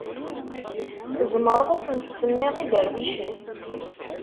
Tzemreḍ ad asen-tsemmiḍ iderwicen.